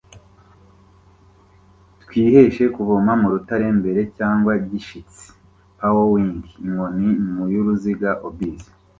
Twiheshe kuvoma mu rutare mbere cyangwa gishitsi, powwowing inkoni mu y'uruziga obis,